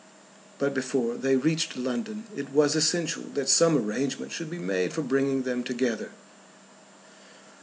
But before they reached London it was essential that some arrangement should be made for bringing them together.